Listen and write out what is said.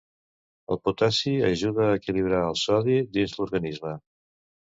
El potassi ajuda a equilibrar el sodi dins l'organisme.